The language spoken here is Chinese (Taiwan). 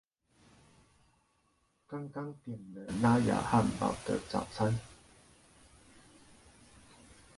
性質必定相同